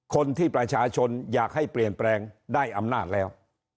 คนที่ประชาชนอยากให้เปลี่ยนแปลงได้อำนาจแล้ว